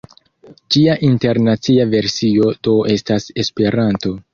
Ĝia internacia versio do estas Esperanto.